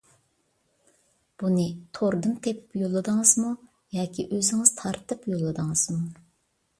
بۇنى توردىن تېپىپ يوللىدىڭىزمۇ ياكى ئۆزىڭىز تارتىپ يوللىدىڭىزمۇ؟